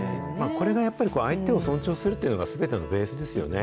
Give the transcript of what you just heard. これがやっぱり相手を尊重するというのがすべてのベースですよね。